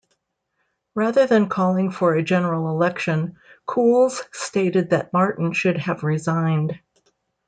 Rather than calling for a general election, Cools stated that Martin should have resigned.